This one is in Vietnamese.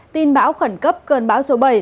tin bão khẩn cấp gần bão số bảy